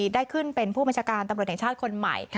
ได้ขึ้นเป็นผู้บัญชาการตำรวจแห่งชาติคนใหม่